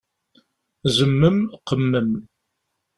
Zemmem, qemmem!